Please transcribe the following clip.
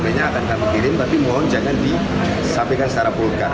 akan kami kirim tapi mohon jangan disampaikan secara vulgar